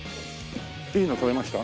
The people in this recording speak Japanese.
いいの撮れました？